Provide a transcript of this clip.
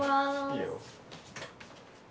いいよ。